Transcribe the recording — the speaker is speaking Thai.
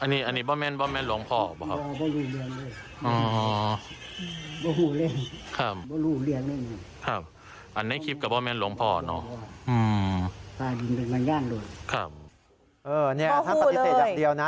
นี่ท่านปฏิเสธแบบเดียวนะ